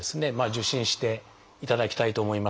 受診していただきたいと思います。